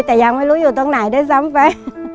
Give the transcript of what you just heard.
แต่ยังไม่รู้อยู่ตรงไหนด้วยซ้ำไป